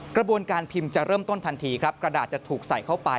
กระบวนการพิมพ์จะเริ่มต้นทันทีครับกระดาษจะถูกใส่เข้าไป